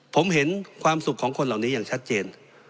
ผมเห็นความสุขของคนเหล่านี้อย่างชัดเจน